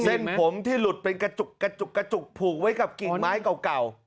เส้นผมที่หลุดเป็นกระจกกระจกกระจกถูกไว้กับกลิ่นไม้เก่าเก่า